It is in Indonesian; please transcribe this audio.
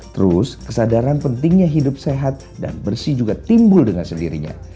terus kesadaran pentingnya hidup sehat dan bersih juga timbul dengan sendirinya